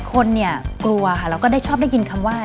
คนกลัวค่ะแล้วก็ชอบได้ยินคำว่า